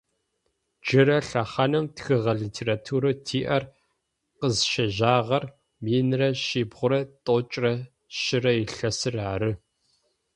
Джырэ лъэхъаным тхыгъэ литературэу тиӏэр къызщежьагъэр минрэ шъибгъурэ тӏокӏрэ щырэ илъэсыр ары.